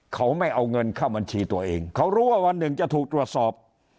เขาไม่เอาเงินเข้าบัญชีตัวเองเขารู้ว่าวันหนึ่งจะถูกตรวจสอบ